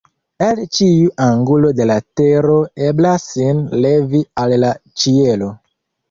El ĉiu angulo de la tero eblas sin levi al la ĉielo”.